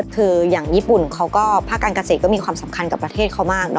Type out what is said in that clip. คืออย่างญี่ปุ่นเขาก็ภาคการเกษตรก็มีความสำคัญกับประเทศเขามาก